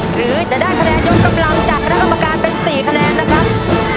หรือจะได้คะแนนยกกำลังจากคณะกรรมการเป็น๔คะแนนนะครับ